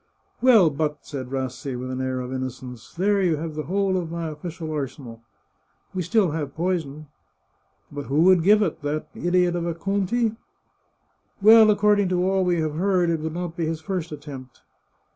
" Well, but," said Rassi, with an air of innocence, " there you have the whole of my official arsenal." " We still have poison." " But who would give it? That idiot of a Conti?" " Well, according to all we have heard, it would not be his first attempt."